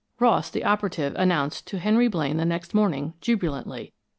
Ross, the operative, announced to Henry Blaine the next morning, jubilantly.